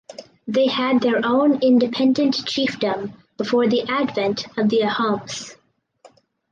They had their own independent chiefdom before the advent of the Ahoms.